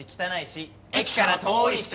駅から遠いし。